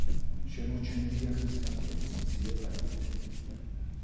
შემორჩენილია ხის კანკელის მცირე ფრაგმენტები.